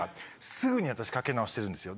すぐに私かけなおしてるんですよ。